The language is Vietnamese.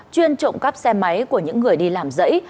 chuyên trộm cắp xe máy của những người đi làm dãy